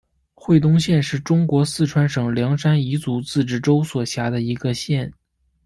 会东县是中国四川省凉山彝族自治州所辖的一个县。